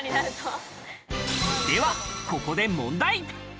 ではここで問題。